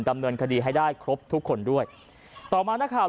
ดำเนินคดีให้ได้ครบทุกคนด้วยต่อมานักข่าว